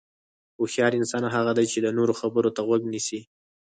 هوښیار انسان هغه دی چې د نورو خبرو ته غوږ نیسي.